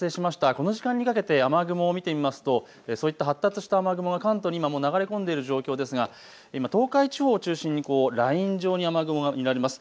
この時間にかけて雨雲を見てみますとそういった発達した雨雲が関東に今もう流れ込んでいる状況ですが、今、東海地方を中心にライン状に雨雲が見られます。